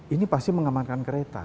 ini pasti mengamankan kereta